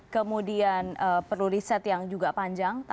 kemudian perlu riset yang juga panjang